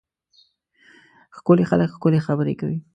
ښکلي خلک ښکلې خبرې کوي.